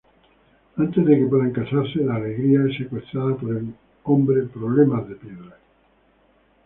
Antes de que puedan casarse, Da-Alegría es secuestrada por el hombre "Problemas-de-piedra".